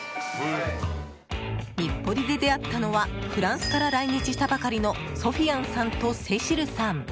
日暮里で出会ったのはフランスから来日したばかりのソフィアンさんとセシルさん。